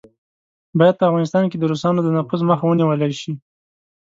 باید په افغانستان کې د روسانو د نفوذ مخه ونیوله شي.